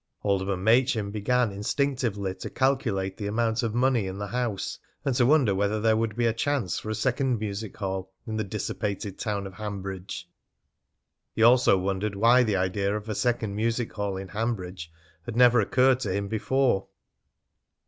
Alderman Machin began instinctively to calculate the amount of money in the house, and to wonder whether there would be a chance for a second music hall in the dissipated town of Hanbridge. He also wondered why the idea of a second music hall in Hanbridge had never occurred to him before.